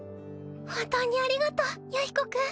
本当にありがとう弥彦君。